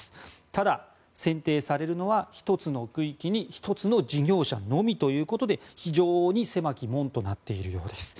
ただ、選定されるのは１つの区域に１つの事業者のみということで非常に狭き門となっているようです。